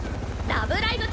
「ラブライブ！」